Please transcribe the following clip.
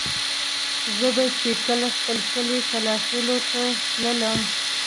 زه به چې کله خپل کلي کلاخېلو ته تللم.